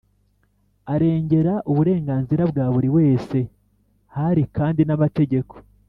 arengera uburenganzira bwa buri wese Hari kandi n amategeko